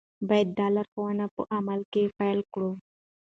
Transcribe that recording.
باید دا لارښوونې په عمل کې پلي کړو.